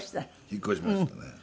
引っ越しましたね。